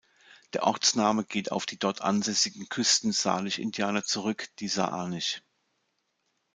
Der Ortsname geht auf die dort ansässigen Küsten-Salish-Indianer zurück, die Saanich.